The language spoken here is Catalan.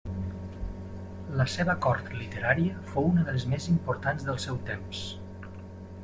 La seva cort literària fou una de les més importants del seu temps.